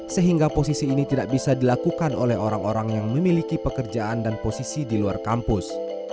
sehingga posisi ini tidak bisa dilakukan oleh orang orang yang memiliki pekerjaan dan posisi di luar kampus